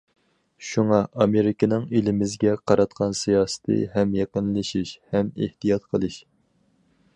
شۇڭا، ئامېرىكىنىڭ ئېلىمىزگە قاراتقان سىياسىتى ھەم يېقىنلىشىش ھەم ئېھتىيات قىلىش.